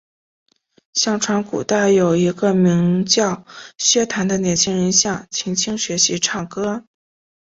相传古代有一个名叫薛谭的年轻人向秦青学习唱歌。